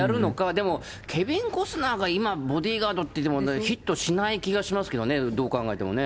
でも、ケビン・コスナーが、今、ボディ・ガードって、ヒットしない気がしますけどね、どう考えてもね。